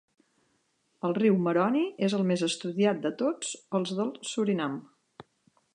El riu Maroni és el més estudiat de tots els del Surinam.